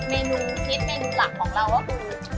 เมนูฮิตเมนูหลักของเราก็คือ